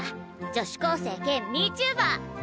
女子高生兼ミーチューバー。